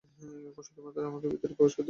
এখন শুধুমাত্র আমাকে ভিতরে প্রবেশ করতে হবে।